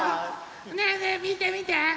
ねえねえみてみて！